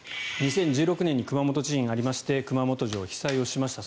２０１６年に熊本地震がありまして熊本城、被災しました。